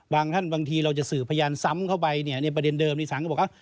ท่านบางทีเราจะสื่อพยานซ้ำเข้าไปเนี่ยในประเด็นเดิมในศาลก็บอกว่า